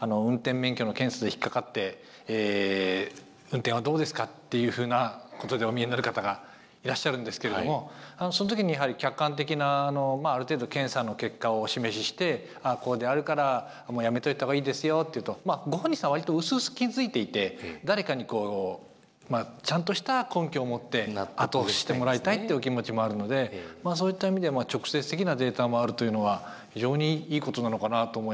運転免許の検査で引っ掛かって「運転はどうですか？」っていうふうなことでお見えになる方がいらっしゃるんですけれどもその時にやはり客観的なある程度検査の結果をお示しして「こうであるからもうやめといた方がいいですよ」って言うとまあご本人さんは割とうすうす気付いていて誰かにちゃんとした根拠をもって後押ししてもらいたいっていう気持ちもあるのでまあそういった意味で直接的なデータもあるというのは非常にいいことなのかなと思いました。